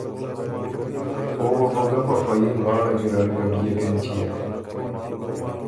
او وه بُو ګۀ په فه يي غاړه ګیرډ ګډيېک اېنچيېک۔